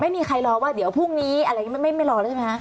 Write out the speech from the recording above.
ไม่มีใครรอว่าเดี๋ยวพรุ่งนี้อะไรไม่รอแล้วใช่ไหมครับ